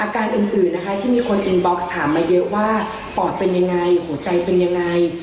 การอื่นนะคะที่มีคนอินบ็อกซ์ถามมาเยอะว่าปอดเป็นยังไงหัวใจเป็นยังไง